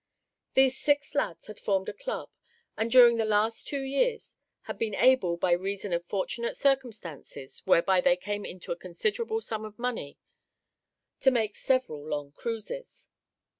These six lads had formed a club, and during the last two years had been able, by reason of fortunate circumstances whereby they came into a considerable sum of money, to make several long cruises.